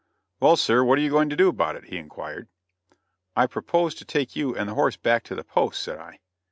"Well, sir, what are you going to do about it?" he inquired. "I propose to take you and the horse back to the post," said I.